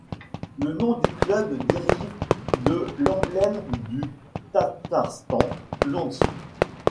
Le nom du club dérive de l'emblème du Tatarstan, l'once.